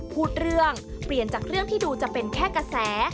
พูดเรื่องเปลี่ยนจากเรื่องที่ดูจะเป็นแค่กระแส